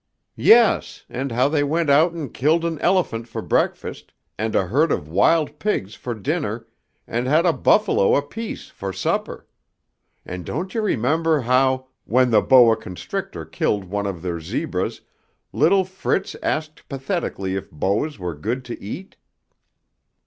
"Yes, and how they went out and killed an elephant for breakfast, and a herd of wild pigs for dinner, and had a buffalo apiece for supper. And don't you remember how, when the boa constrictor killed one of their zebras, little Fritz asked pathetically if boas were good to eat?"